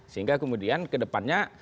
sehingga kemudian kedepannya